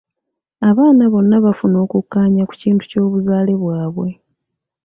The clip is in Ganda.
Abaana bonna bafuna okukkaanya ku kintu ky'obuzaale bwabwe.